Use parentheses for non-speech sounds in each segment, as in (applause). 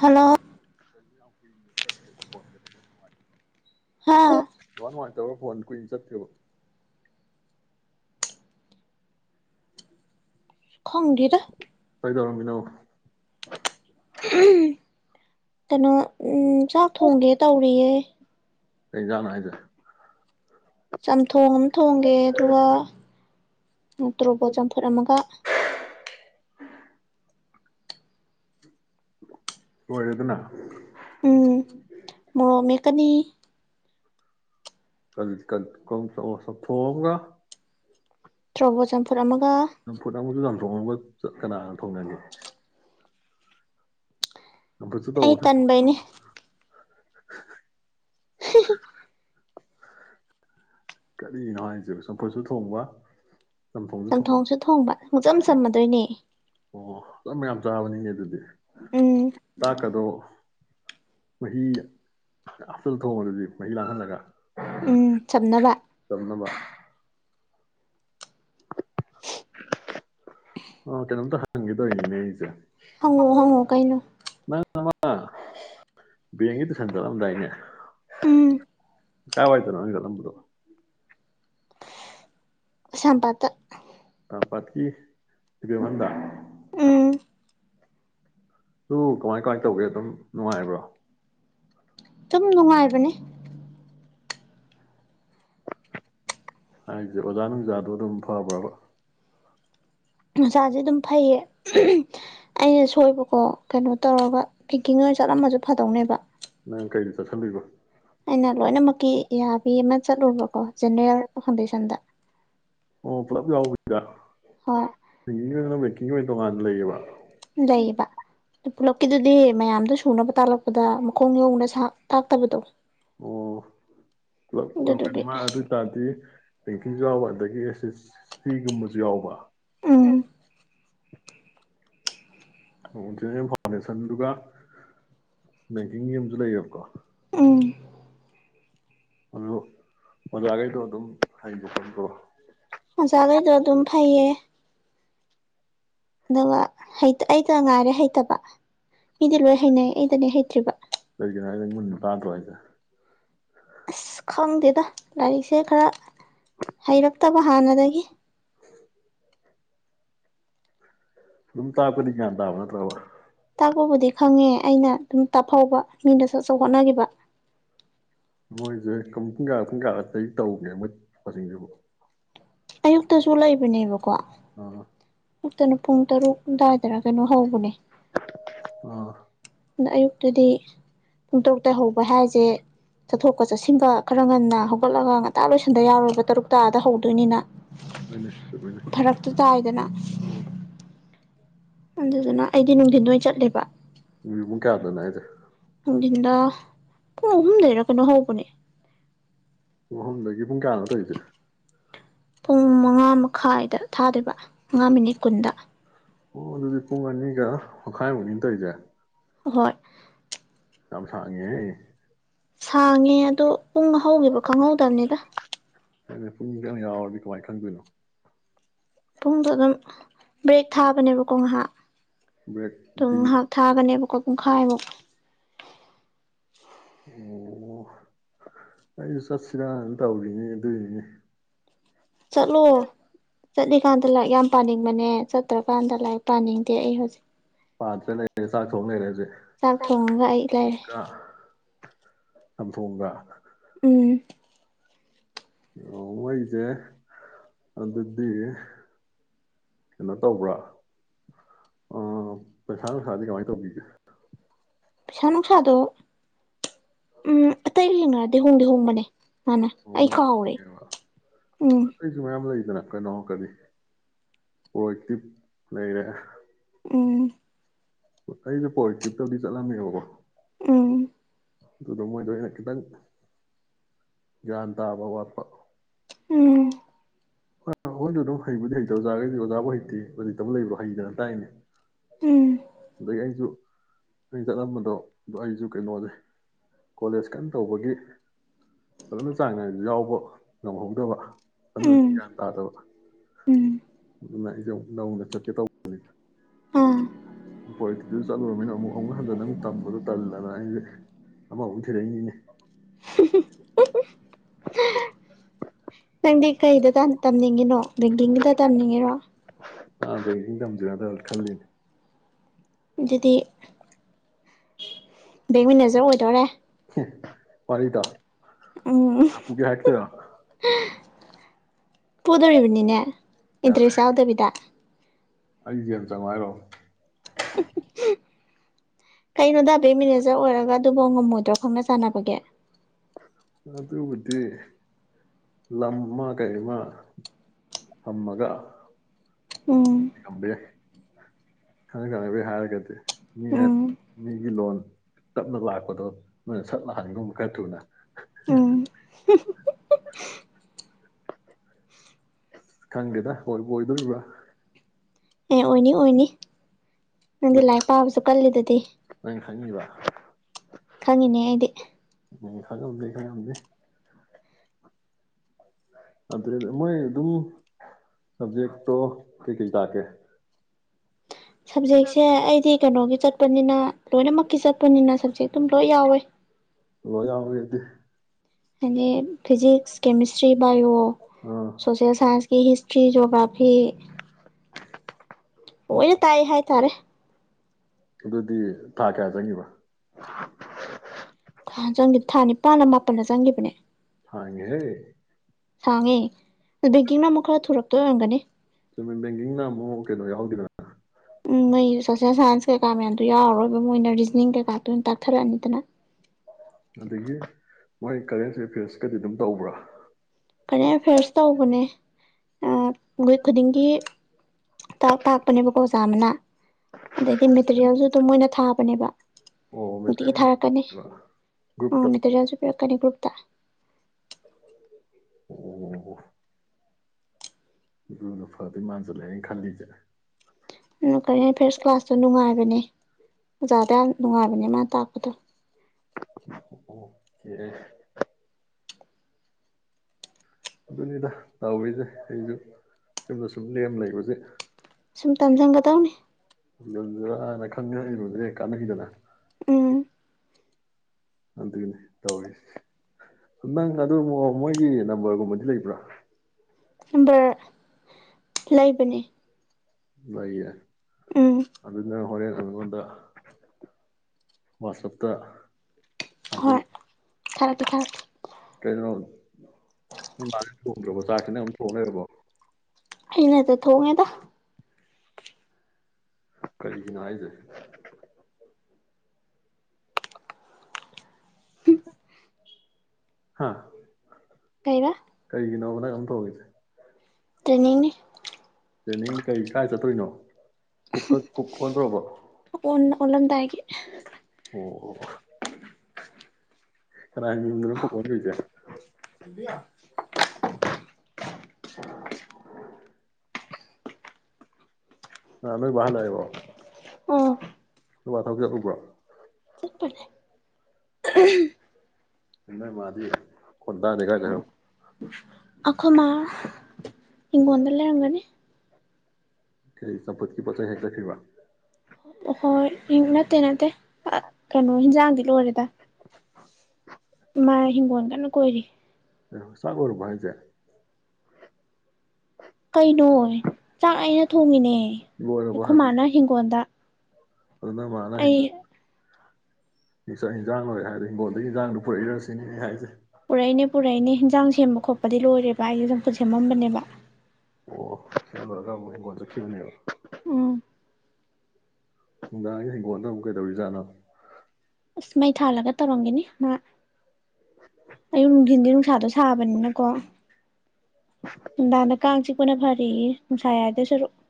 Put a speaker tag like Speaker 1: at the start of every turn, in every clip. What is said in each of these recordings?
Speaker 1: Hello
Speaker 2: ꯌꯥꯝ ꯀꯏ ꯆꯠꯀꯦꯅ ꯐꯣꯟꯒꯗꯧꯕ ꯅꯨꯡꯉꯥꯏꯇꯕ
Speaker 1: ꯍꯥ
Speaker 2: ꯂꯟ ꯋꯥꯟ ꯇꯔ ꯐꯣꯟ ꯀꯨꯏꯅ ꯆꯠꯇꯠꯇ꯭ꯦꯕ
Speaker 1: ꯈꯪꯙꯔ
Speaker 2: ꯀꯩꯗꯧꯔꯝꯃꯤꯅꯣ
Speaker 1: ꯀꯩꯅꯣ ꯎꯝ ꯆꯥꯛ ꯊꯣꯡꯒꯦ ꯇꯧꯔꯤꯌꯦ
Speaker 2: ꯑꯩ ꯅ ꯍꯥꯏꯁ
Speaker 1: ꯆꯝꯊꯣꯡ ꯑꯃ ꯊꯣꯡꯒꯦ ꯑꯗꯨꯒ ꯇ꯭ꯔꯨꯕꯣ ꯆꯝꯐꯨꯠ ꯑꯃꯒ
Speaker 2: ꯍ ꯑꯗꯨꯅ
Speaker 1: ꯎꯝ ꯃꯣꯔꯣꯝꯃꯦꯀꯅꯤ
Speaker 2: ꯀ ꯀ ꯀ ꯁ ꯊ
Speaker 1: ꯇ꯭ꯔꯣꯕ ꯆꯝ ꯐꯨꯔ ꯑꯃꯛ
Speaker 2: ꯑꯗꯨꯝ ꯐꯨꯇꯥꯡꯕꯨꯁꯨꯝ ꯊꯣꯡꯕ ꯀꯅꯥꯅ ꯊꯣꯡꯅꯒꯦ ꯑꯁꯨ ꯇꯧ
Speaker 1: ꯑꯩ ꯇꯟꯕꯩꯅꯦ (unintelligible)
Speaker 2: ꯀꯔꯤꯅꯣ ꯍꯥꯏꯁꯦꯕ ꯆꯝꯐꯨꯠꯁꯨ ꯊꯣꯡꯕ
Speaker 1: ꯆꯝꯊꯣꯡꯁꯨ ꯊꯣꯡꯕ ꯆꯝ ꯆꯝꯃꯗꯣꯏꯅꯦ
Speaker 2: ꯑꯣ ꯌꯥꯝ ꯃ ꯌꯥꯝ ꯆꯥꯕꯅꯤꯌꯦ ꯑꯗꯨꯗꯤ
Speaker 1: ꯎꯝ
Speaker 2: ꯇꯥꯛꯀ ꯑꯗꯨꯣ ꯃꯍꯤ ꯑꯞꯇꯜ ꯊꯣꯡꯉ ꯑꯗꯨꯗꯤ ꯃꯍꯤ ꯂꯥꯡꯍꯜꯂꯒ
Speaker 1: ꯎꯝ ꯆꯝꯅꯕ
Speaker 2: ꯁꯅꯃ ꯑ ꯀꯩꯅꯣꯝꯇ ꯍꯟꯒꯗꯣꯏꯅꯤꯅꯦ ꯑꯩꯁꯦ
Speaker 1: ꯍꯪꯉꯨ ꯍꯪꯉꯨ ꯀꯩꯅꯣ
Speaker 2: ꯑꯃ ꯕꯦꯡꯒꯤꯗꯨ ꯁꯟꯒꯠꯂꯝꯗꯥꯏꯅꯦ
Speaker 1: ꯎꯝ
Speaker 2: ꯀꯥꯏꯋꯥꯏꯗꯅꯣ ꯅꯪ ꯆꯠꯂꯝꯕꯗꯣ
Speaker 1: ꯀꯩꯁꯝꯄꯥꯠꯇ
Speaker 2: ꯀꯩꯁꯝꯄꯜꯀꯤ ꯏꯕꯦꯝꯍꯟꯗ
Speaker 1: ꯎꯝ
Speaker 2: ꯑꯗꯨ ꯀꯃꯥꯏ ꯀꯃꯥꯏ ꯇꯧꯒꯦ ꯑꯗꯨꯝ ꯅꯨꯡꯉꯥꯏꯕ꯭ꯔꯣ
Speaker 1: ꯑꯗꯨꯝ ꯅꯨꯡꯉꯥꯏꯕꯅꯦ
Speaker 2: ꯍꯥꯏꯁꯦ ꯑꯣꯖꯥ ꯅꯨꯡꯖꯥꯗꯨꯣ ꯑꯗꯨꯝ ꯐꯕ꯭ꯔꯕ
Speaker 1: ꯑꫭꯖꯖꯨ ꯑꯗꯨꯝ ꯐꯩꯌꯦ ꯑꯩꯅ ꯁꯣꯏꯕꯀꯣ ꯀꯩꯅꯣ ꯇꯧꯔꯒ ꯄꯤꯀꯤꯡ ꯑꯣꯏꯅ ꯆꯠꯂꯝꯃꯁꯨ ꯐꯗꯧꯅꯦꯕ
Speaker 2: ꯅꯪ ꯀꯩꯗꯤ ꯆꯠꯁꯟꯂꯨꯏꯕ
Speaker 1: ꯑꯩꯅ ꯂꯣꯏꯅꯃꯛꯀꯤ ꯌꯥ ꯃꯤꯑꯃ ꯆꯠꯂꯨꯕꯀꯣ ꯖꯦꯅꯦꯔꯦꯜ ꯐꯥꯎꯟꯗꯦꯁꯟꯗ
Speaker 2: ꯑꯣ ꯐ꯭ꯂꯞ ꯌꯥꯎꯕꯗ (unintelligible)
Speaker 1: ꯍꯣꯏ
Speaker 2: ꯑꫭꯏ ꯇꯣꯡꯉꯥꯟꯅ ꯂꯩꯌꯦꯕ
Speaker 1: ꯂꯩꯩꯌꯦꯕ ꯑ ꯄꯨꯂꯞꯀꯤꯗꯨꯗꯤ ꯃꯌꯥꯝꯗꯣ ꯁꯨꯅꯕ ꯇꯥꯛꯂꯛꯄꯗ ꯃꯈꯣꯡ ꯌꯧꯅ ꯇꯥꯛꯇꯕꯗꯣ
Speaker 2: ꯑꯣ ꯄꯨꯂꯞ ꯀꯩꯅꯣ
Speaker 1: ꯑꯗꯨꯗꯨꯒꯤ
Speaker 2: ꯃꯥ ꯑꯗꯨ ꯑꯣꯏꯇꯥꯔꯗꯤ ꯕꯦꯡꯀꯤꯡꯁꯨ ꯌꯥꯎꯕ ꯑꯗꯒꯤ ꯑꯦꯁ ꯑꯦꯁ ꯁꯤ ꯒꯨꯝꯕꯁꯨ ꯌꯥꯎꯕ ꯎꯝ ꯑꯣ ꯖꯦꯅꯔꯦꯜ ꯐꯥꯎꯟꯗꯦꯁꯟꯗꯨꯒ ꯕꯦꯡꯀꯤꯡꯒꯤ ꯑꯃꯁꯨ ꯂꯩꯌꯦꯕꯀꯣ
Speaker 1: ꯎꯝ
Speaker 2: ꯑꯗꯨ ꯑꫭꯖꯒꯩꯗꫭ ꯑꯗꯨꯝ ꯍꯩꯕꫭ
Speaker 1: ꯐꯌꯦ ꯑꯗꯨꯒ ꯍ ꯑꯩꯇ ꯉꯥꯏꯔꯦ ꯍꯩꯇꯕ ꯃꯤꯗꯤ ꯂꯣꯏ ꯍꯩꯅꯩ ꯑꯩꯗꯅꯦ ꯍꯩꯇ꯭ꯔꯤꯕ
Speaker 2: ꯀꯩꯒꯤꯅꯣ ꯃꯨꯟꯅ ꯇꯗ꯭ꯔꫭ ꯌꯥꯏꯖꯦ
Speaker 1: ꯑꯁ ꯈꯪꯗꯦꯗ ꯂꯥꯏꯔꯤꯛꯁꯦ ꯈꯔ ꯍꯩꯔꯛꯇꯕ ꯍꯥꯟꯅꯗꯒꯤ
Speaker 2: ꯑꯗꯨꯝ ꯇꯛꯄꯊꯤꯕ ꯀꯗꯤ ꯀꯥꯟ ꯇꯥꯕ ꯅꯠꯇ꯭ꯔꯕ
Speaker 1: ꯇꯥꯛꯄꯕꯨꯗꯤ ꯈꯪꯉꯦ ꯑꯩꯅ ꯑꯗꯨꯝ ꯇꯥꯛꯍꯧꯕ ꯃꯤꯅ ꯁꯠ ꯁꯠ ꯍꯣꯠꯅꯈꯤꯕ
Speaker 2: ꯃꯣꯏꯁꯦ ꯀ ꯄꯨꯡ ꯀꯌꯥ ꯄꯨꯡ ꯀꯌꯥ ꯗꯩ ꯇꯧꯒꯦ ꯃꯣꯏ ꯀꫭꯁꯤꯡꯁꯤꯕꯨ
Speaker 1: ꯑꯥꯌꯨꯛꯇꯖꯨ ꯂꯩꯕꯅꯦꯕ
Speaker 2: ꯑ
Speaker 1: ꯑꯌꯨꯛꯇꯅ ꯄꯨꯡ ꯇꯔꯨꯛ ꯑꯗꯥꯏꯗꯔ ꯀꯩꯅꯣ ꯍꯧꯕꯅꯦ
Speaker 2: ꯑ
Speaker 1: ꯑꯗꯨꯗ ꯑꯌꯨꯛꯇꯗꯤ ꯄꯨꯡ ꯇꯔꯨꯛꯇ ꯍꯧꯕ ꯍꯥꯏꯁꯦ ꯆꯠꯊꯣꯛꯀ ꯆꯠꯁꯤꯟꯒ ꯈꯔ ꯉꯟꯅ ꯍꯧꯒꯠꯂꯒ ꯉꯇꯥ ꯂꯣꯏꯁꯟꯗ ꯌꯥꯎꯔꯣꯏꯕ ꯇꯔꯨꯛ ꯇꯥꯗ ꯍꯧꯗꯣꯏꯅꯤꯅ
Speaker 2: ꯍꯣꯏꯅꯦ ꯆꯨꯝꯃꯤꯅꯦ
Speaker 1: ꯐꯔꯛꯇꯨ ꯇꯥꯏꯗꯅ
Speaker 2: ꯎꯝ
Speaker 1: ꯑꯗꯨꯗꯨꯅ ꯑꯩꯗꯤ ꯅꯨꯡꯊꯤꯟꯗꯣꯏ ꯆꯠꯂꯦꯕ
Speaker 2: ꯎꯃ ꯀꯌꯥꯗꯅꯥꯏꯁꯦ
Speaker 1: ꯅꯨꯡꯊꯤꯟꯗ ꯄꯨꯡ ꯑꯍꯨꯝꯗꯔ ꯀꯩꯅꯣ ꯍꯧꯕꯅꯦ
Speaker 2: ꯄꯨꯡ ꯑꯍꯨꯝꯗꯒꯤ ꯄꯨꯡ ꯀꯌꯥꯃꯣꯠꯇꯧꯔꯤꯁꯦ
Speaker 1: ꯄꯨꯡ ꯃꯉꯥ ꯃꯈꯥꯏꯗ ꯊꯥꯗꯕ ꯃꯉꯥ ꯃꯤꯅꯤꯠ ꯀꯨꯟꯗ
Speaker 2: ꯑꯣ ꯑꯗꯨꯗꯤ ꯄꯨꯡ ꯑꯅꯤꯒ ꯃꯈꯥꯏꯃꯨꯛꯅꯤ ꯇꯧꯔꯤꯁꯦ
Speaker 1: ꯍꯣꯏ
Speaker 2: ꯌꯥꯝ ꯁꯥꯡꯉꯦ
Speaker 1: ꯁꯥꯡꯉꯦ ꯑꯗꯣ ꯄꯨꯡꯅ ꯍꯧꯈꯤꯕ ꯈꯪꯍꯧꯗꯕꯅꯤꯗ
Speaker 2: ꯑꯗꯨ ꯄꯨꯡ ꯇꯪ ꯌꯥꯎꯔꯗꯤ ꯀꯃꯥꯏꯅ ꯈꯪꯗꯣꯏꯅꯣ
Speaker 1: ꯄꯨꯡꯗꯣ ꯑꯗꯨꯝ ꯕ꯭ꯔꯦꯛ ꯊꯥꯕꯅꯦꯕꯀꯣ ꯉꯥꯏꯍꯥꯛ
Speaker 2: ꯕ꯭ꯔꯦꯛ
Speaker 1: ꯑꯗꯨꯨꯡꯞ
Speaker 2: ꯄꯤꯌꯦ
Speaker 1: ꯊꯥꯒꯅꯦꯕꯀꯣ ꯄꯨꯡꯈꯥꯏꯃꯨꯛ
Speaker 2: ꯑꯣ ꯑꯩꯁꯨ ꯆꯠꯁꯤꯔꯅ ꯇꯧꯔꯤꯅꯦ ꯑꯗꯨꯏꯅꯦ
Speaker 1: ꯆꯠꯂꯣ ꯆꯠꯂꯤꯀꯥꯟꯗ ꯂꯥꯏꯔꯤꯛ ꯌꯥꯝ ꯄꯥꯅꯤꯡꯕꯅꯦ ꯆꯠꯇ꯭ꯔꯀꯥꯟꯗ ꯂꯥꯏꯔꯤꯛ ꯄꯥꯅꯤꯡꯗꯦ ꯑꯩ ꯍꯧꯖꯤꯛ
Speaker 2: ꯄꯥꯇ꯭ꯔ ꯅꯦ ꯆꯥꯛ ꯊꯣꯡꯔꯦꯁꯦ
Speaker 1: ꯆꯥꯛ ꯊꯣꯡꯉꯒ ꯑꯩ ꯂꯩꯔꯦ
Speaker 2: ꯑꯝ ꯐꯒ
Speaker 1: ꯎꯝ
Speaker 2: ꯑꯣ ꯃꯣꯏꯁꯦ ꯑꯗꯨꯗꯤ ꯀꯩꯅꯣ ꯇꯧꯕ꯭ꯔꯥ ꯄꯩꯁꯥ ꯅꯨꯡꯁꯥꯗꯤ ꯀꯃꯥꯏꯅ ꯇꯧꯕꯈꯤꯒꯦ
Speaker 1: ꯄꯁꯥ ꯅꯨꯡꯁꯥꯗꯣ ꯎꯝ ꯑꯇꯩ ꯌꯦꯡꯅꯔꯗꯤ ꯍꯣꯡꯗꯦ ꯍꯣꯡꯕꯅꯦ ꯑꯅ
Speaker 2: ꯑꯣ
Speaker 1: ꯑꯩ
Speaker 2: ꯃꯣꯏꯅ
Speaker 1: ꯀꯥꯎꯔꯦ
Speaker 2: ꯈꯪꯉꯦꯕ
Speaker 1: ꯎꯝ
Speaker 2: ꯑꯗꯨꯅ ꯀꯩꯅꯣꯔꯒꯗꯤ ꯄ꯭ꯔꯛꯇꯤꯞ ꯂꯩꯔꯦ
Speaker 1: ꯎꯝ
Speaker 2: ꯑꯩꯁꯦ ꯄꯣꯛꯇ꯭ꯔꯤꯞꯇꯧꯗꯤ ꯆꯠꯂꯝꯃꯦꯕꯀꯣ
Speaker 1: ꯎꯝ
Speaker 2: ꯑꯗꯨꯗ ꯃꯣꯏꯗꯣ ꯑꯩꯅ ꯈꯤꯇꯪ ꯒ꯭ꯌꯥꯟ ꯇꯥꯕ ꯋꯥꯠꯄ
Speaker 1: ꯎꯝ
Speaker 2: ꯈꯣꯏꯁꯨ ꯑꯗꯨꯝꯩꯕꯨꯗꯤ ꯍꯩꯇꯕ ꯑꯣꯖꯥꯈꯩꯗꯤ ꯑꯣꯖꯥꯕꯨ ꯍꯩꯇꯦ ꯍꯖꯤꯩꯇꯕꯨ ꯂꯩꯕ ꯍꯩꯗꯅ ꯇꯥꯛꯏꯅꯦ
Speaker 1: ꯎꯝ
Speaker 2: ꯑꯗꯒꯤ ꯑꯩꯁꯨ ꯑꯩꯅ ꯆꯠꯂꯝꯕꯗꯣ ꯑꯗꯨ ꯑꯩꯁꯨ ꯀꯩꯅꯣꯁꯦ ꯀꯣꯂꯦꯖ ꯀꯟꯅ ꯇꯧꯕꯒꯤ ꯐꯖꯅ ꯆꯥꯡ ꯅꯥꯏ ꯌꯥꯎꯕ ꯉꯝꯍꯧꯗꯕ ꯑꯗꯨ
Speaker 1: ꯎꯝ
Speaker 2: ꯀꯌꯥꯟ ꯇꯥꯗꯕ
Speaker 1: ꯎꯝ
Speaker 2: ꯑꯗꯨꯅ ꯑꯩꯁꯨꯧ ꯅꯧꯅ ꯆꯠꯀꯦ ꯇꯧꯕꯅꯤꯅ
Speaker 1: ꯑꯥ
Speaker 2: ꯄꯣꯇꯤꯛꯇꯁꯨ ꯆꯠꯂꯨꯔꯕꯅꯤꯅ ꯑꯃꯨꯛ ꯑꯃꯨꯛ ꯍꯟꯖꯤꯟ ꯅ ꯇꯝꯕꯗꯣ ꯇꯜꯂꯅ ꯑꯩꯁꯦ ꯑꯃꯃꯨꯛ ꯊꯤꯔꯛꯏꯅꯤꯅꯦ
Speaker 1: ꯅꯪꯗꯤ ꯀꯩꯗ ꯇꯝꯅꯤꯡꯉꯤꯅꯣ ꯕꯦꯡꯀꯤꯡꯒꯤꯗ ꯇꯝꯅꯤꯡꯉꯤꯔꯣ
Speaker 2: ꯑꯥꯗꯩ ꯅꯤꯡꯊꯝꯖ ꯑꯗ ꯈꯜꯂꯤꯅꯦ
Speaker 1: ꯑꯗꯨꯗꯤ ꯕꯦꯡ ꯃꯦꯅꯦꯖꯔ ꯑꯣꯏꯗꯣꯔꯦ
Speaker 2: ꯄꯗ
Speaker 1: ꯎꯝ
Speaker 2: ꯨ ꯀ ꯍꯥꯏꯁ
Speaker 1: ꯄꯨꯗꯣꯔꯤꯕꯅꯤꯅꯦ ꯏꯟꯇꯔ꯭ꯦꯁ ꯆꯥꯎꯗꯕꯤꯗ
Speaker 2: ꯑꯖ ꯇꯔꯣ (unintelligible)
Speaker 1: ꯀꯩꯅꯣꯗ ꯕꯦꯡ ꯃꯦꯅꯦꯖꯔ ꯑꯣꯏꯔꯒ ꯑꯗꯨꯐꯧ ꯉꯝꯃꯣꯏꯗ꯭ꯔꯣ ꯈꯪꯅ ꯆꯟꯅꯕꯒꯦ
Speaker 2: ꯑꯗꯨꯕꯨꯗꯤ ꯂꯝ ꯑꯃ ꯀꯩꯃ ꯊꯝꯃꯒ
Speaker 1: ꯎꯝ
Speaker 2: ꯉꯝꯕ ꯌꯥꯏ ꯈꯔ ꯈꯔ ꯍꯥꯏꯔꯒ ꯃꯤꯅ
Speaker 1: ꯎꯝ
Speaker 2: ꯃꯤꯒꯤ ꯂꯣꯟ ꯇꯞꯅ ꯂꯥꯛꯄꯗꯣ ꯅꯣꯏꯅ ꯁꯠ ꯂꯥꯛꯍꯟꯒꯨꯝꯕ ꯈꯔꯊꯨꯅ
Speaker 1: ꯎꯝ
Speaker 2: (unintelligible) ꯈꯪꯗꯦꯗ ꯑꯣꯏꯕꯨ ꯑꯣꯏꯗꯨꯔꯤꯕꯔꯥ
Speaker 1: ꯑꯦ ꯑꯣꯏꯅꯤ ꯑꯣꯏꯅꯤ ꯅꯪꯗꯤ ꯂꯥꯏ ꯄꯥꯕꯁꯨ ꯀꯜꯂꯤꯗꯨꯗꯤ
Speaker 2: ꯅꯪ ꯈꯪꯉꯤꯕ
Speaker 1: ꯈꯪꯉꯤꯅꯦ ꯑꯩꯗꯤ
Speaker 2: ꯎꯝ ꯈꯪꯉꯝꯅꯤ ꯈꯪꯉꯝꯅꯤ ꯑꯗꯨ ꯃꯣꯏ ꯑꯗꯨꯝ ꯁꯞꯖꯦꯛꯇꯣ ꯀꯩꯀꯩ ꯇꯥꯛꯀꯦ
Speaker 1: ꯁꯕꯖꯦꯛꯁꯦ ꯑꯩꯗꯤ ꯀꯩꯅꯣꯒꯤ ꯆꯠ ꯆꯠꯄꯅꯤꯅ ꯂꯣꯏꯅꯃꯛꯀꯤ ꯆꯠꯄꯅꯤꯅ ꯁꯕꯖꯦꯛ ꯑꯗꯨꯝ ꯂꯣꯏ ꯌꯥꯎꯋꯦ
Speaker 2: ꯂꯣꯏ ꯌꯥꯎꯋꯦꯗꯤ
Speaker 1: ꯍꯥꯏꯗꯤ ꯐꯖꯤꯛꯁ ꯀꯦꯃꯤꯁꯇ꯭ꯔꯤ ꯕꯥꯏꯌꯣ
Speaker 2: ꯑꯥ
Speaker 1: ꯁꯣꯁꯤꯌꯦꯜ ꯁꯥꯏꯟꯁꯀꯤ ꯍꯤꯁ__ (unintelligible) ꯐꯤ ꯂꯣꯏꯅ ꯇꯥꯛꯏ ꯍꯥꯏꯇꯥꯔꯦ
Speaker 2: ꯑꯗꯨꯗꯤ ꯊꯥ ꯀꯌꯥ ꯆꯪꯉꯤꯕ
Speaker 1: ꯊ ꯆꯪꯈꯤ ꯊꯥ ꯅꯤꯄꯥꯜꯂꯥ ꯃꯥꯄꯜꯂꯥ ꯆꯪꯒꯤꯕꯅꯦ
Speaker 2: ꯁꯥꯡꯉꯤꯍꯦ
Speaker 1: ꯁꯥꯡꯉꯦ ꯑꯕꯦꯒꯤꯅ ꯑꯃꯨꯛ ꯈꯔ ꯊꯨꯔꯛꯇꯣꯏ ꯑꯣꯏꯔꯝꯒꯅꯤ
Speaker 2: ꯕꯦꯡꯀꯤꯡꯅ ꯑꯃꯨꯛ ꯀꯩꯅꯣ ꯌꯥꯎꯍꯧꯗꯣꯏꯔꯥ
Speaker 1: ꯎꯝ ꯅꯣꯏ ꯁꯣꯁꯦꯜ ꯁꯥꯏꯟꯁ ꯀꯩꯀꯥ ꯃꯌꯥꯝꯗꯨꯣ ꯌꯥꯎꯔꯔꯣꯏꯕ ꯃꯣꯏꯅ ꯔꯤꯖꯅꯤꯡ ꯀꯩꯀꯥ ꯇꯅ ꯇꯥꯛꯊꯔꯛꯑꯅꯤꯗꯅ
Speaker 2: ꯑꯗꯒꯤ ꯃꯣꯏ ꯀꯔꯦꯟꯁ ꯑꯦꯐꯤꯌꯔꯁꯀꯗꯤ ꯑꯗꯨꯝ ꯇꯧꯕ꯭ꯔꯥ
Speaker 1: ꯀꯔꯤꯟ ꯑꯦꯐꯤꯌꯔꯁ ꯇꯧꯕꯅꯦ ꯑ ꯋꯤꯛ ꯈꯨꯗꯤꯡꯒꯤ ꯇꯛ ꯇꯥꯛꯄꯅꯦꯕꯀꯣ ꯑꯣꯖꯥ ꯑꯃꯅ ꯑꯗꯩꯗꯤ ꯃꯦꯇꯔꯤꯌꯦꯜꯁꯨ ꯑꯗꯨꯝ ꯃꯣꯏꯅ ꯊꯥꯕꯅꯦꯕ
Speaker 2: ꯑꯣ
Speaker 1: ꯅꯨꯡꯇꯤꯒꯤ
Speaker 2: ꯃꯦꯇꯔ
Speaker 1: ꯊꯥꯔꯛꯀꯅꯤ ꯎꯝ
Speaker 2: ꯒ꯭ꯔꯨꯞꯇ
Speaker 1: ꯃꯦꯇꯔꯤꯌꯦꯜꯁꯨ ꯄꯤꯔꯛꯀꯅꯤ ꯒ꯭ꯔꯨꯞ
Speaker 2: ꯎꯝ ꯎ ꯑꯗꯨꯅ ꯐꯗꯣꯏ ꯃꯥꯟꯖꯤꯜꯂꯛꯑꯦ ꯑꯩ ꯈꯜꯂꯤꯖꯦ꯫
Speaker 1: ꯑꯣ ꯑ ꯐꯥꯔꯁ ꯀ꯭ꯂꯥꯁꯇꯣ ꯅꯨꯡꯉꯥꯏꯕꯅꯦ ꯑꯣꯖꯥꯗ ꯌꯥꯝ ꯅꯨꯡꯉꯥꯏꯕꯅꯦ ꯃꯥ ꯇꯥꯛꯄꯗꯣ꯫
Speaker 2: ꯑꯣꯀꯦ ꯑꯗꯨꯅꯤꯗ ꯇꯧꯔꯤꯁꯦ ꯑꯩꯖꯨ ꯌꯨꯝꯗ ꯁꯨꯝ ꯂꯦꯝ ꯂꯩꯕꯖꯦ
Speaker 1: ꯇꯝꯖꯟꯒꯗꯧꯅꯤ
Speaker 2: ꯔꯥꯅ ꯈꯪꯉꯦꯔꯨꯅꯦꯦ ꯀꯥꯟꯅꯈꯤꯗꯅ
Speaker 1: ꯎꯝ
Speaker 2: ꯑꯗꯨꯅꯤ ꯇꯧꯔꯤꯁꯤ ꯅꯪ ꯑꯗꯨ ꯃꯣꯏꯒꯤ ꯅꯝꯕꯔꯒꯨꯝꯕꯗꯤ ꯂꯩꯕ꯭ꯔꯥ?
Speaker 1: ꯅꯝꯕꯔ ꯂꯩꯕꯅꯦ꯫
Speaker 2: ꯂꯩꯌꯦ
Speaker 1: ꯎꯝ
Speaker 2: ꯑꯗꯨ ꯅꯪ ꯍꯧꯔꯦꯟ ꯑꯩꯉꯣꯟꯗ ꯋꯥꯆꯞꯇ
Speaker 1: ꯍꯣꯏ
Speaker 2: ꯊꯥꯖꯤꯜꯂꯣ
Speaker 1: ꯊꯥꯔꯛꯀꯦ ꯊꯥꯔꯛꯀꯦ
Speaker 2: ꯀꯩꯅꯣ ꯅꯣꯏꯃꯥꯗꯤ ꯊꯣꯡꯗꯔꯕꯣ ꯆꯥ ꯆꯥꯛꯁꯤ ꯅꯪ ꯑꯗꯨꯝ ꯊꯣꯡ ꯂꯩꯔꯕꯣ?
Speaker 1: ꯑꯩꯅꯗ ꯊꯣꯡꯉꯦꯗ꯫
Speaker 2: ꯀꯔꯤꯒꯤꯅꯣ ꯍꯥꯏꯖꯦ? ꯍꯥ
Speaker 1: ꯀꯩꯕ
Speaker 2: ꯀꯩꯒꯤꯅꯣꯕ? ꯅꯪ ꯑꯗꯨꯝ ꯊꯣꯡꯉꯤꯖꯦ?
Speaker 1: ꯇ꯭ꯔꯦꯅꯤꯡꯅꯤ
Speaker 2: ꯇꯔꯦꯅꯤꯡꯅ ꯀꯔꯤ ꯀꯥꯏ ꯆꯠꯇꯣꯏꯅꯣ? ꯀꯨꯀ ꯀꯨꯛ ꯑꯣꯟꯗꯣꯔꯕꯣ?
Speaker 1: ꯑꯣꯂꯝꯗꯥꯥꯏꯒꯤ꯫
Speaker 2: ꯑꯣ ꯀꯅꯥꯏ ꯃꯌꯨꯝꯗꯅꯣ ꯀꯨꯛ ꯑꯣꯟꯗꯣꯏꯖꯦ?
Speaker 1: (unintelligible)
Speaker 2: ꯑ ꯅꯣꯏ ꯕꯥ ꯍꯂꯛꯑꯦꯕꯣ?
Speaker 1: ꯑꯣ
Speaker 2: ꯑ ꯅꯣꯏꯕꯥ ꯊꯥꯕꯛ ꯆꯠꯂꯨꯕꯔꯣ?
Speaker 1: ꯆꯠꯄꯅꯦ
Speaker 2: ꯅꯣꯏꯃꯥꯗꯤ ꯈꯣꯟ ꯇꯥꯗꯦ ꯀꯩꯏ ꯆꯠꯈꯔꯕ?
Speaker 1: ꯑꯈꯣꯏꯃꯥ (unintelligible) ꯏꯪꯒꯣꯜꯗ ꯂꯩꯔꯝꯒꯅꯤ꯫
Speaker 2: ꯀꯩ ꯆꯝꯐꯨꯠꯀꯤ ꯄꯣꯠꯆꯩ ꯍꯦꯛ ꯆꯠꯈꯤꯕꯔꯥ?
Speaker 1: ꯍꯣꯏ ꯑꯦ ꯅꯠꯇꯦ ꯅꯠꯇꯦ ꯑ ꯀꯩꯅꯣ ꯍꯦꯟꯖꯥꯡꯗꯤ ꯂꯣꯏꯔꯦꯗ ꯃꯥ ꯍꯤꯡꯒꯣꯜ ꯀꯟꯅ ꯀꯣꯏꯔꯤ꯫
Speaker 2: ꯆꯥꯛ ꯂꯣꯏꯔꯕ ꯍꯥꯏꯖꯦ?
Speaker 1: ꯀꯩꯅꯣ ꯆꯥꯛ ꯑꯩꯅ ꯊꯣꯡꯉꯤꯅꯦ
Speaker 2: ꯂꯣꯏꯔꯕꯣ
Speaker 1: ꯑꯩꯈꯣꯏ ꯃꯥꯅ ꯍꯤꯡꯒꯣꯜꯗ
Speaker 2: ꯑꯗꯨꯅ ꯃꯥꯅ
Speaker 1: ꯑꯩ
Speaker 2: ꯏꯟꯖꯥꯡ ꯂꯣꯏꯔꯦ ꯍꯥꯏꯗ ꯍꯤꯡꯒꯣꯜꯗꯒꯤ ꯍꯟꯖꯥꯡꯗꯨ ꯄꯨꯔꯛꯏꯔꯁꯤꯅꯦ ꯍꯥꯏꯁꯦ
Speaker 1: ꯄꯔꯅꯤ ꯍꯟꯖꯥꯡ ꯁꯦꯝꯕ ꯈꯣꯠꯗꯤ ꯂꯣꯏꯔꯦꯕ ꯔꯥꯏꯒꯤ ꯆꯈꯨꯠ ꯁꯦꯝꯃꯝꯕꯅꯦꯕ
Speaker 2: ꯑꯣ ꯅꯔ ꯀꯃꯕꯨ ꯃꯖ ꯈꯦꯅꯤ
Speaker 1: ꯎꯝ
Speaker 2: ꯅꯨꯡꯗꯥꯡꯒꯤ ꯍꯪꯒꯣꯜꯗ ꯑꯃꯨꯛ ꯀꯩꯗꯧꯔꯤꯖꯥꯠꯅꯣ
Speaker 1: ꯑꯁ ꯃꯩ ꯊꯥꯜꯂꯒ ꯇꯧꯔꯝꯒꯦꯅꯤ ꯃꯥ ꯑꯌꯨꯛ ꯅꯨꯡꯊꯤꯟꯗꯤ ꯅꯨꯡꯁꯥꯗꯣ ꯁꯥꯕꯅꯤꯅꯀꯣ ꯅꯅ ꯀ ꯄꯨꯚꯥ ꯁꯤ ꯅꯨꯡꯁꯥꯗ ꯁꯔꯨꯛ ꯎ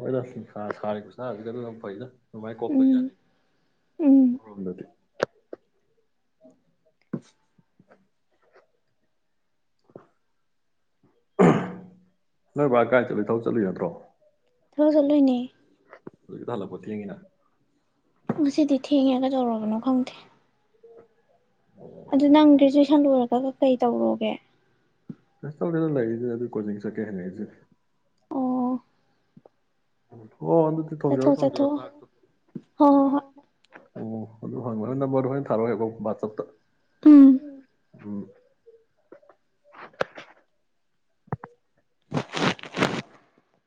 Speaker 2: ꯍꯣꯏ ꯁꯥ ꯁꯔꯦ ꯄꯨ ꯁꯥ ꯑꯖꯤ ꯀ ꯑꯗꯨ ꯑꯗꯨ ꯄꯩꯥ ꯑꯗꯨꯃꯥꯏ ꯀꯣꯛꯄ
Speaker 1: ꯎꯝ
Speaker 2: ꯌꯥꯅꯤ
Speaker 1: ꯎꯝ
Speaker 2: ꯃꯣꯝꯗꯗꯤ (unintelligible)
Speaker 1: ꯑ
Speaker 2: ꯅꯣꯏ ꯀꯥꯏ ꯆꯠꯂ ꯊꯧ ꯆꯠꯂꯨ ꯅꯠꯇ꯭ꯔꯣ
Speaker 1: ꯊꯧ ꯆꯠꯂꯣꯏꯅꯦ
Speaker 2: ꯍꯧꯛꯀꯤꯗ ꯍꯜꯂꯛꯄꯣ ꯊꯦꯡꯉꯤꯅ
Speaker 1: ꯉꯁꯤꯗꯤ ꯊꯦꯡꯉꯦꯒꯗꯧꯔꯕꯅꯣ ꯈꯪꯗꯦ ꯑꯗꯨ
Speaker 2: ꯑꯣ
Speaker 1: ꯅꯪ ꯒ꯭ꯔꯦꯖꯨꯋꯦꯁꯟ ꯂꯣꯏꯔꯒꯒ ꯀꯩ ꯇꯧꯔꯣꯒꯦ
Speaker 2: ꯐꯦꯁꯇꯗ ꯂꯩꯔꯤꯁꯦ ꯑꯗꯨ ꯀꯣꯆꯤꯡ ꯁꯠꯀꯦ ꯍꯪꯉꯛꯏꯁꯦ ꯎ
Speaker 1: ꯆꯊꯣ ꯆꯊꯣ ꯍ ꯍ ꯍ
Speaker 2: ꯑꯣ ꯑꯗꯨ ꯍꯪꯕ ꯍꯣꯏ ꯅꯝꯕꯔꯗꯨ ꯍꯣꯏꯅ ꯊꯥꯔꯛꯑꯣꯦꯀꯣ ꯋꯥꯆꯞꯇ
Speaker 1: ꯎꯝ
Speaker 2: ꯍ ꯎꯝ